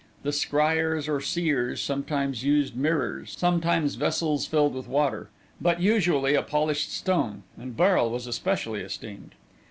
The scryers or seers sometimes used mirrors, sometimes vessels filled with water, but usually a polished stone, and beryl was especially esteemed.